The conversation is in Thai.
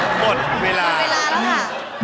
หมดเวลาแล้วค่ะ